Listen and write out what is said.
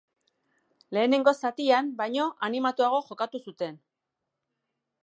Lehenengo zatian baino animatuago jokatu zuten.